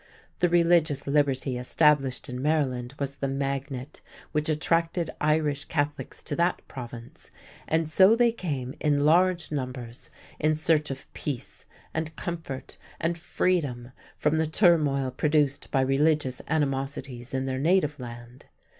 The religious liberty established in Maryland was the magnet which attracted Irish Catholics to that Province, and so they came in large numbers in search of peace and comfort and freedom from the turmoil produced by religious animosities in their native land.